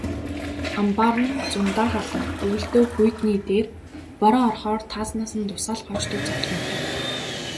Амбаар нь зундаа халуун, өвөлдөө хүйтний дээр бороо орохоор таазнаас нь дусаал гоождог зовлонтой.